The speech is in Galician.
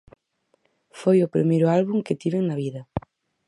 Foi o primeiro álbum que tiven na vida.